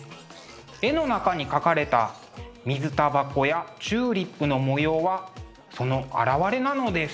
絵の中に描かれた水タバコやチューリップの模様はその表れなのです。